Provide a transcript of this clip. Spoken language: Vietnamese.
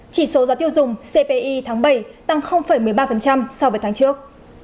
chỉ số giá tiêu dùng cpi tháng bảy tăng một mươi ba so với tháng trước